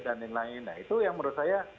dan lain lain nah itu yang menurut saya